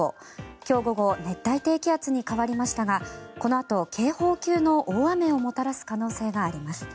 今日午後熱帯低気圧に変わりましたがこのあと、警報級の大雨をもたらす可能性があります。